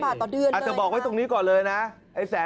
อาจจะบอกไว้ตรงนี้ก่อนเลยนะ